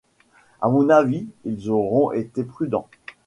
À mon avis, ils auront été prudents.